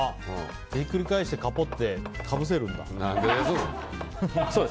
ひっくり返してかぽってかぶせるんだ。